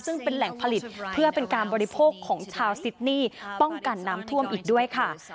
ซึ่งเป็นแหล่งผลิตเพื่อเป็นการบริโภคของชาวซิดนี่ป้องกันน้ำท่วมอีกด้วยค่ะ